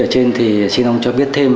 ở trên thì xin ông cho biết thêm